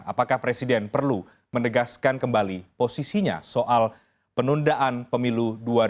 apakah presiden perlu menegaskan kembali posisinya soal penundaan pemilu dua ribu dua puluh